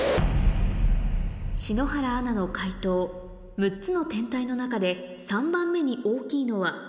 篠原アナの解答６つの天体の中で３番目に大きいのはＢ